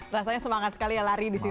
rasanya semangat sekali ya lari di sini